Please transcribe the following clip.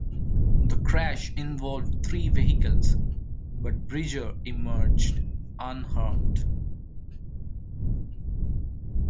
The crash involved three vehicles, but Bridger emerged unharmed.